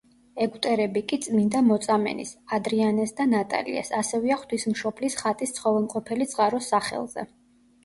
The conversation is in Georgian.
ეგვტერები კი წმიდა მოწამენის ადრიანეს და ნატალიას, ასევეა ღვთისმშობლის ხატის ცხოველმყოფელი წყაროს სახელზე.